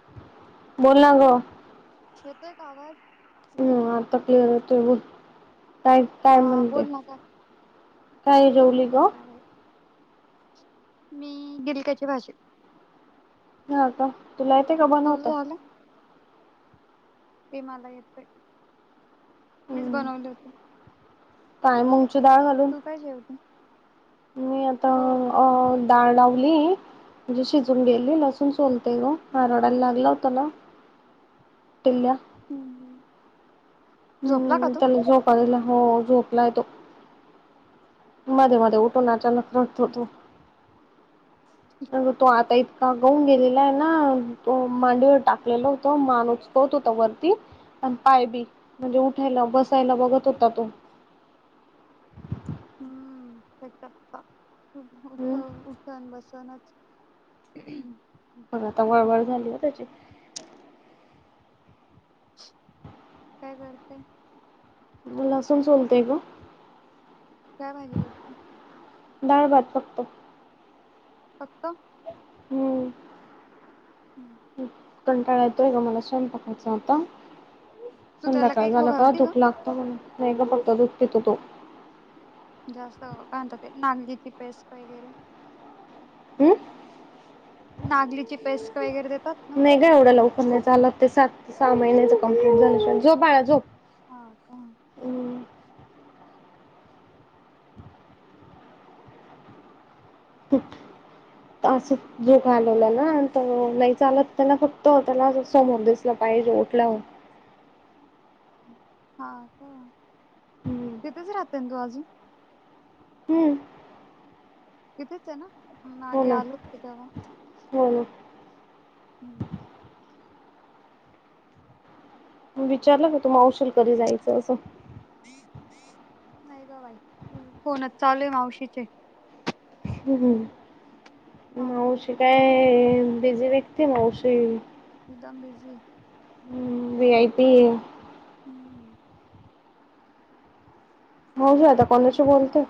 [unintelligible] बोल ना ग. येतोय का आवाज? हं. आत्ता क्लिअर येतोय बोल. काय काय हा म्हणते? बोल ना काय काय जेवली ग? काहीच नाही बाई. मी गिलक्याची भाजी. हा का? तुला येते का तुझ बनवता? झालं ते मला येतय. मीच हम्म बनवले होते. काय मूंगची डाळ घालून? तू काय जेवते? मी आता हो अ- डाळ लावली. म्हणजे शिजून गेली. लसूण सोलते ग. हार- ला लागला होता ना? टिल्ल्या. हं. हं. हम्. त्याला झोका दिला. हो झोपलाय तो. मधे मधे हम्म उठून अचानक रडतो तो. आणि तो आता इतका गळून गेलेला ए ना? तो मांडीवर टाकलेला होता मान उच- -लत होता वरती. आणि पाय बी. म्हणजे उठायला बसायला बघत होता तो. हम्म. [unintelligible] उठ हम्म उठन बसनच. [inaudible] बघ आता वळवड झाली ना त्याची? काय करतेय? मी लसूण सोलतेय ग. काय भाजी करते? डाळ भात फक्त. फक्त? हम्म. हम्म. कंटाळा येतोय ग मला स्वयंपाकाचा आता. तू त्याला संध्याकाळ काही खाऊ झालं का घालते झोप लागतते म्हण. नाही ग फक्त दूध पितो तो. जास्त काय म्हणता ते नांगलीची पेस्त वगैरे. अं? नागलीची पेस्क वगैरे देतात? ना नाही ग एवढ्या लवकर नाही चालत ते. सात सहा महिन्याच कम्प्लीट झाल्याशिवाय. झोप बाळा झोप. हा का? हम्म असं झोका हालवला ना तर म नाही चालत. त्याला फक्त. त्याला अस समोर दिस- -या पाहिजे उठल्यावर. हां. का? हम्म तिथेच राहते ना तू अजून? तिथेच ए ना? हो मागे ना. आलो होतो तेव्हा हो. हम्म्म. विचारलं का तु मावशीला कधी जायचं असं? नाही ग बाई. फोनच चालूए मावशीचे. हं. हं. मावशी बिझी आहे काय बिझी व्यक्ती मावशी. एकदम बिझी. हम्म व्ही आय पी हम्म भाऊजी आता कोणाशी बोलते?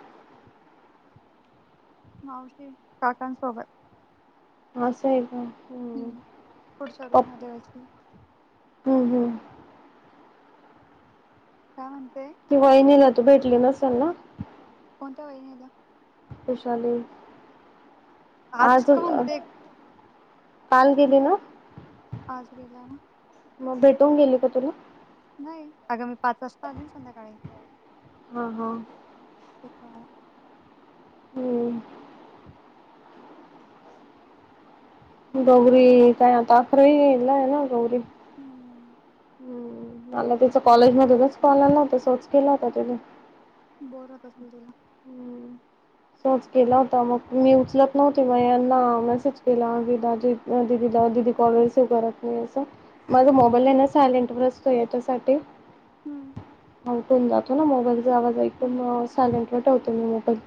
मावशी काकांसोबत. असं आहे काय? हम्म पुढच्या रूम मध्ये असतील. हम् हम्. काय म्हणतेय? वहिणीला तू भेटली नसेल ना? कोणत्या वहीनीला? विशाली आज का म्हणते काल गेली ना. आज गेला ना मग भेटून गेली का तुला? नाही, आगं मी पाच वाजता आले ना संध्याकाळी. हा हा. हो का. हम्म गौरी त्या आता अकरावीला आहे ना गौरी. हम्म मला तिचा कॉलेज मध्ये मिसकॉल आला तर सहज केला होता तिने. बोरंत असल तेव्हा हम्म तोच केला होता, मग मी उचलत नव्हती, मग यांना मेसेज केला की दाजी दया दिदीला दिदी कॉल रिसीव करत नाही असं. माझा हम्म मोबाईल आहे ना, सायलेंट वर असतो याच्यासाठी. हम्म हा घेऊन जातो ना, मोबाईलचा आवाज हम्म ऐकून हम्म सायलेंटवर ठेवतो मी मोबाईल.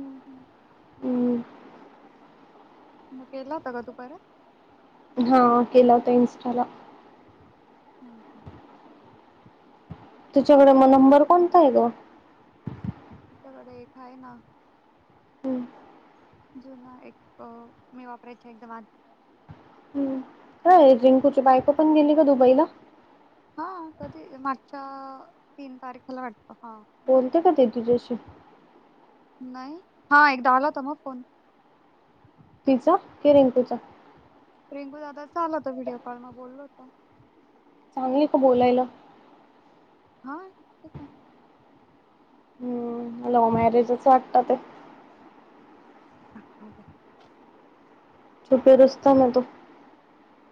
हम्म हम्म हम्म मग केला होता का तू परत? हां केला होता इन्स्टा ला. हा हा तिच्याकडे मग नंबर कोणता आहे ग? तिच्याकडे एक आहे ना. हम्म जुना एक मी वापरायच्या एकदम आ होय रिंकूची बायको पण गेली का दुबईला? हा कधी मागच्या तीन तारखेला वाटतं हां. बोलते का ती तुझ्याशी? नाही हा एकदा आला होता मा फोन तिचा की रिंकुचा रिंकू दादाचा आला होता व्हिडीओकॉल मी बोललो होतो. चांगली का बोलायला? हा‌. ठीक आहे. हम्‌ लव्ह मॅरेजच वाटतात. हां. ह. छुपे रुस्तम आहे तो.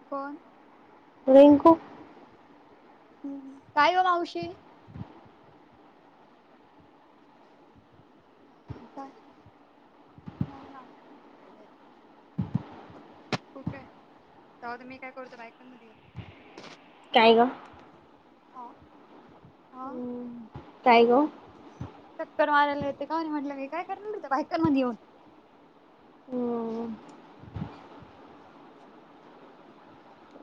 कोण? रिंकू. हम्म‌. काय ओ मावशी काय. नाही ना. कुठे आहे. जावूदे मी काय करतो बायकां मध्ये ये. काय गं? ह. ह. काय गो? चक्कर माराला होते का म्हटलं क काय करणार बायकांमध्ये येऊन. हम्म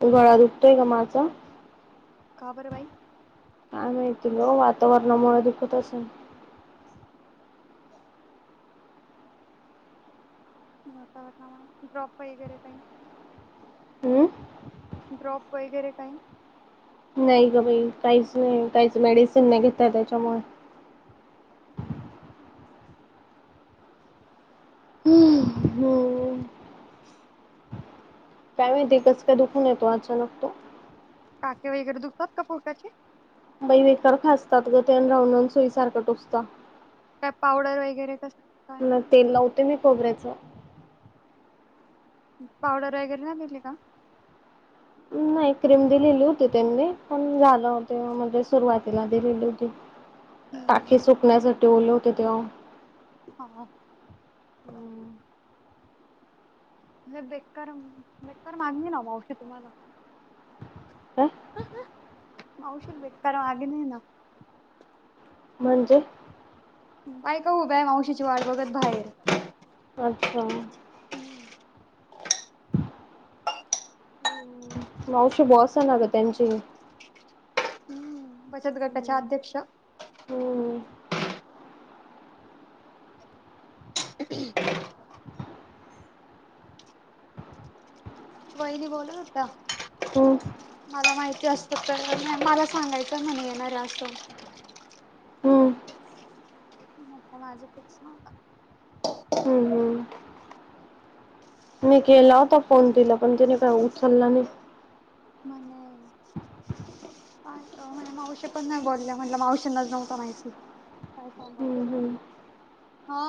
गळा दुखतोय गं माझा. का बरं बाई? काय माहिती गं. वातावरणामुळे दुखत असेल. वातावरणामुळे. ड्रॉप वगैरे काही. हम्म. ड्रॉप वगैरे काही. नाही गं बाई. काहीच नाही. काहीच मेडिसिन नाही. घेत त्याच्यामुळे. हम्म. हम्म हम. काय माहिती कस काय दुखून येतो अचानक तो. टाके वगैरे दुखतात का पोटाचे? बाई बेकार खासतात ग ते राहून सुईसारखं टोचतात. काय पावडर वगैरे कस काय म तेल लावते मी खोबऱ्याचं. पावडर वगैरे नाही दिले का? नाही. क्रीम दिलेली होती त्यांनी. पण झालं होत म्हणजे सुरुवातीला दिलेली होती. टाके सुकण्यासाठी ओले होते तेव्हा हा. बेकार बेकार मागणी नाव मावशी तुम्हाला. काय माऊशी बेकार मागे नाही ना. म्हणजे? बायका उभ्या मावशीची वाट बघत बाहेर‌. अच्छा! मावशी बॉस आहे ना ग त्यांची. हम्म बचत गटाच्या हम्म अध्यक्ष. हम्म वहिनी बोलत होत्या. मला माहिती असत तर मला सांगायचं म्हणे येणार असतो. हम्म. मग माझा फिक्स नव्हता. हम्म हम्म मी केला होता फोन तिला पण तिने काय उचलला नाही. म्हणे. काय म्हणे, मावशी पण नाही बोलल्या, म्हटलं, मावशींनाच नव्हतं माहिती. काय सांगु आता, हम्म हा?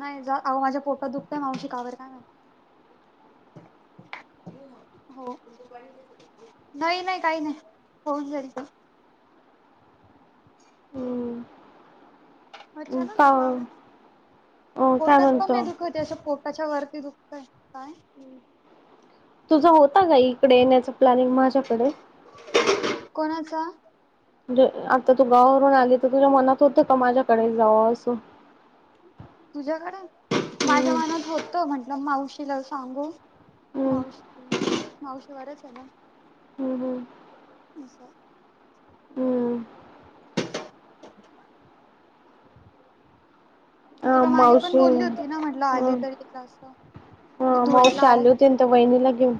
नाही जा, अहो, माझ्या पोटात दुखतंय. मावशी, का बंर, काय माहीत? हो. नाही-नाही, काही नाही, होऊन झाली तर. हम्म हम्म अचानक का बघ, आवळतंय अ काय पोटात. पण म्हणतो नाही दुखत असं पोट. त्याच्या वरती दुखत आहे काय? तुझा होता का इकडे येण्याचं प्लॅनिंग माझ्याकडे? कोणाचा. म्हणजे, आता तू गावावरून आलीतर तुझ्या मनात होतं का माझ्याकडे जावावं असं? तुझ्याकडे माझ्या हम्म मनात होतं, म्हटलं, मावशीला सांगू. हम्म मावशी मावशीवररच आहे ना, हम्म हम्म असं? हम्म [inaudible] मी अ तुला मागे पण मावशी बोलली होती ना, म्हटलं, ह आली तरी येईल असं. मी ह धुळ्याला मावशी आली. होती त्या वहिणीला घेऊन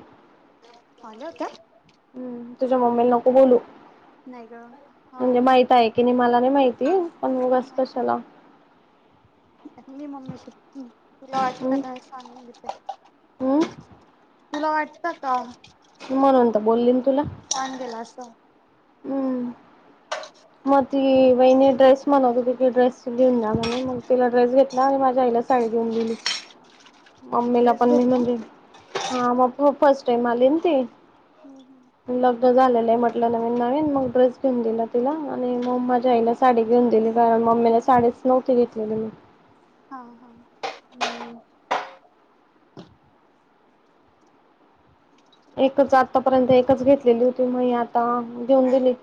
आली होती? तुझ्या मम्मीला नको बोलू. नाही ग हा म्हणजे, माहित आहे की नाही मला नाही माहिती, पण उगाचं माहित कशाला? मी मम्मीशी तुला वाटता हम्म का? हे सांगेन. हम्म तुला वाटतं का? म्हणत बोलली तुला? अन गेला असतं. हम्म मग ती वहिनी ड्रेस म्हनवत होती की, ड्रेस घेऊन जा म्हणे मग तिला ड्रेस घेतला आणि माझ्या आईला साडी घेऊन गेली. मम्मीला ड्रेस पण मी म्हणजे, हा, म फर्स्ट टाइम आली ना ती. हं-हं. लग्न झालेलं आहे म्हटलं, नवीन-नवीन. मग ड्रेस घेऊन दिला तिला. आणि मग माझ्या आईला साडी घेऊन दिली, कारण मम्मीला साडीच नव्हती घेतलेली मी. हा-हा. हम्म. एकच आतापर्यंत एकच घेतलेली होती. मग आता घेऊन दिली.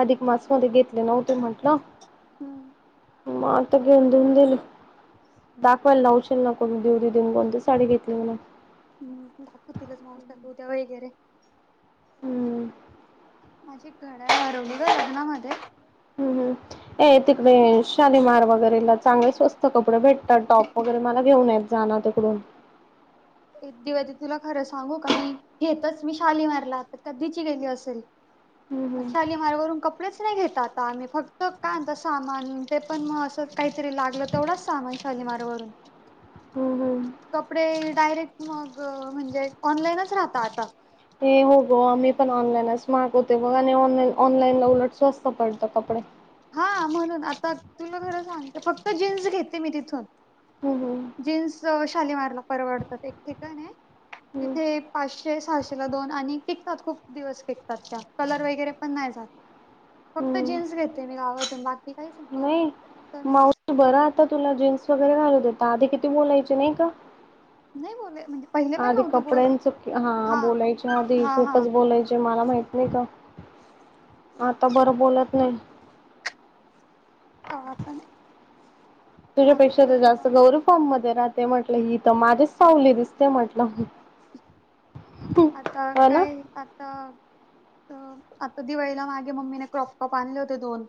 अधिक मास मध्ये घेतले नव्हते म्हटलं. हम्म मग आता घेउन-देऊन दिली. दाखवायला लावशल ना, कोण दिऊ देऊन कोणती साडी घेतली म्हणा? हम्, दाखवतीलच. माऊसात उद्या वगैरे. हम्म. माझी घडयाळ हरवली गं लग्नामध्ये. हम्-हम्. ए, तिकडे शालीमार वगैरेला चांगले स्वस्त कपडे भेटतात, टॉप वगैरे, मला घेऊ येत जा ना तिकडून. एक देवी आहे ती. तिला खरं सांगू का? नाही, घेतंच मी शालीमारला. तर कधीची गेली असेल. [unintelligible] शालीमारवरून कपडेच नाही घेतात आता आम्ही, फक्त काय, त सामान ते, पण मग असं काहीतरी लागलं तेवढंच सामान शालीमारवरून. [inaudible] कपडे डायरेक्ट मग म्हणजे ऑनलाईनच राहता आता? ये होगं, आम्ही पण ऑनलाईनच मागवते. बघ आणि ऑनलाईन ऑनलाईनला उलट स्वस्त पडतं कपडे. हा म्हणून आता तुला खरं [inaudible] सांगत फक्त जीन्स घेते मी तिथून. हम्म हम्म जीन्स शालेमारला परवडतात एक [inaudible] ठीक आहे ना हम्म तिथे पाचशे सहाशे ला दोन आणि टिकतात खूप दिवस टिकतात त्या. कलर वगैरे पण नाही जात फक्त जीन्स हम्म घेत. ते मी गाव बाकी काहीच [inaudible] नाही. तू बरं आता तुला जीन्स वगैरे घालू देता आधी किती बोलायचे नाही का? नाही बोल म्हणजे पहिले पण आधी नव्हती बोल कपड्यांचं हा बोलायचे आधी हा हा खूपच बोलायचे मला माहत नाही का? आता बरं बोलत नाही. [inaudible] हसा ना. तुझ्यापेक्षा तर जास्त गौरव फॉर्म मध्ये राहते म्हटलं. ही तर माझीच [inaudible] ांवली दिसते म्हटलं. आता हो ना काय आता, आता दिवाळीला मागे मम्मीने क्रॉप कप आणले होते दोन.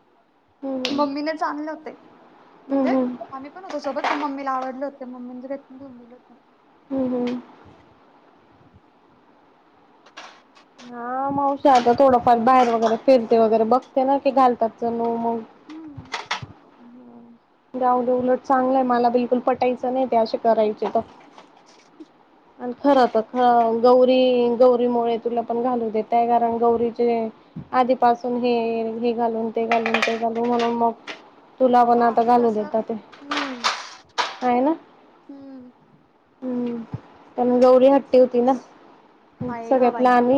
हम्. [inaudible] ममीले [inaudible] होते म्हणजे हम्म आ सोबत मम्मीला आवडले होते मम्मींचे [inaudible] प्रयनेऊन दिले होते. हम् हम्. हा [inaudible] मावश आता थोडंफार बाहेर वगैरे फिरते वगैरे बघते ना की घालतात जणू मग. हम्म जाऊ दे उलट चांगलंय मला बिलकुल पटायचं नाही ते असे करायचे तर. आणि खरं तर गौरी गौरीमुळेळे तुला पण घालू देतय कारण गौरीचे आधीपासून हे, हे घालून ते घालून, ते घालून म्हणून मग तुला पण हा आता घालू तस देतात ते. हम्म आहे ना. हम्म. हम्म. [inaudible] त्या गौरी हट्टी होती ना. आहे ग सगळ्यात बाई, लहान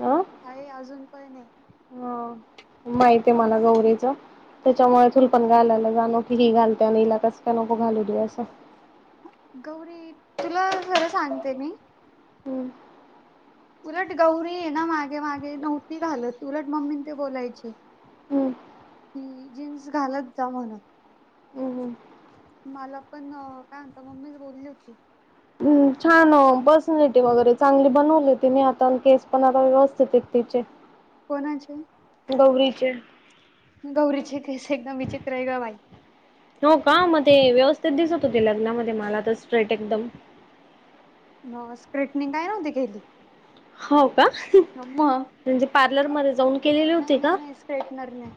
अ आहे अजून पण नाही [inaudible] आहे. हा माहित आहे मला गौरीेच. त्याच्यामुळे थुलपण घालायला जा न की ही घालते. [inaudible] आणिईला कस काय नको घालू दे असं. गौरी तुला खरं सांगते मी. हम्म. उलट गौरी आहे ना, मागे मागे नव्हती घालत उलट मम्मी ते बोलायचे. हम्म. की जीन्स घालत जा म्हणत. हम्म मला पण [inaudible] काय [inaudible] म्हणत मम्मीच बोलली होती. ह् छान पर्सनॅलिटी वगैरे चांगली बनवली ति मी आता केस पणा व्यवस्थित आहेत तिचे. [inaudible] ह. कोणाचे? गौरीचे गौरीचे केस एकदम विचित्र आहे ग बाई. हो का, मग ते व्यवस्थित दिसत होते. लग्नामध्ये मला तर स्ट्रेट एकदम. मग [inaudible] स्क्र्रीटनिंग काय नव्हती केेली. हो का म्हणजे. पार्लरमध्येध्ये जाऊन केलेले होते नाही का. नाही नाही स्ट्रेटनर नाही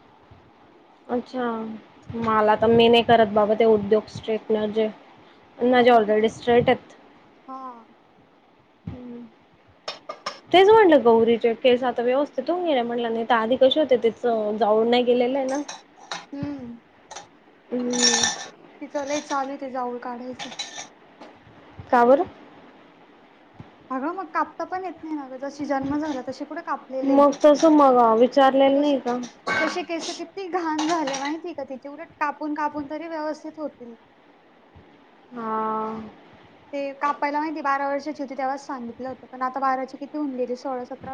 अच्छा! मला तर मी नाही करत बाबा ते उद्योग स्ट्रेटनर जे माझे बायकीचे ऑलरेडी स्ट्रेट आहेत हा. हम्म तेच म्हटलं गौरीचे केस आता व्यवस्थित होऊन गेले म्हटलं नाही तर आधी कसे होते तेच जाऊळ नाही गेलेलं आहे ना. हम्म हम्म तिचं नाही च आम्ही ते जाऊळ काढायचं आहे. का बरं? अगं मग कापता पण येत नाही ना अगं. जशी जन्म झाला तशी कुठे कापलेले आहे मग तसं मग मग विचारलेलं तशी. नाही का तसे केस किती घाण झाले माहिती का तिचे उलट कापून कापून तरी व्यवस्थित होतील. हां. ते कापायला माहितीये बारा वर्षाची होती तेव्हा सांगितलं होतं पण आता बाराची किती होऊन गेले सोळा सतरा